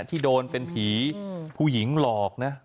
ที่โดนเป็นผีผู้หญิงหลอกนะ